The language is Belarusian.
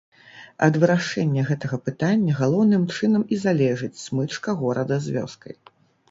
Ад вырашэння гэтага пытання галоўным чынам і залежыць смычка горада з вёскай.